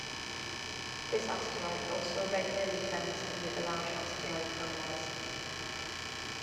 This asteroid also regularly comes near the large asteroid Pallas.